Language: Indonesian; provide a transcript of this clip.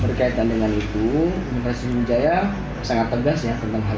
berkaitan dengan itu universitas jaya sangat tegas ya